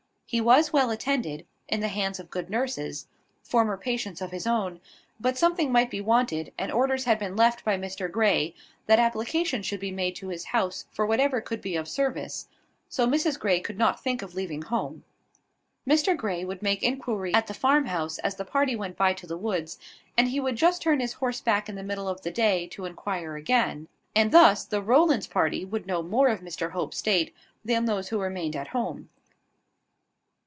He was well attended in the hands of good nurses former patients of his own: but something might be wanted; and orders had been left by Mr Grey that application should be made to his house for whatever could be of service: so Mrs Grey could not think of leaving home. Mr Grey would make inquiry at the farmhouse as the party went by to the woods: and he would just turn his horse back in the middle of the day, to inquire again: and thus the Rowlands' party would know more of Mr Hope's state than those who remained at home.